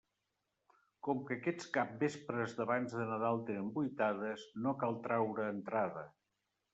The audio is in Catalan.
Com que aquests capvespres d'abans de Nadal tenen vuitades, no cal traure entrada.